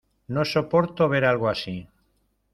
No soporto ver algo así